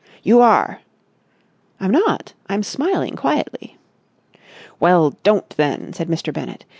"You are!" "I'm not! I'm smiling quietly." "Well, don't then!" said Mr. Bennett.